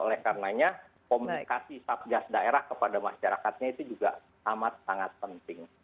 oleh karenanya komunikasi satgas daerah kepada masyarakatnya itu juga amat sangat penting